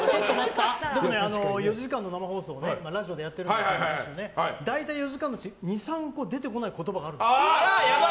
４時間の生放送ラジオでやってるんですけど大体４時間のうち２３個出てこない言葉があるんです。